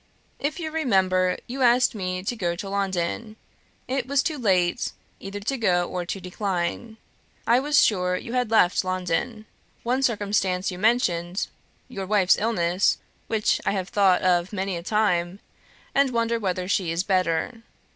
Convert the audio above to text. If you remember, you asked me to go to London; it was too late either to go or to decline. I was sure you had left London. One circumstance you mentioned your wife's illness which I have thought of many a time, and wondered whether she is better.